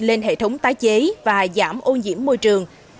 lên hệ thống tái chế và giảm ô nhiễm môi trường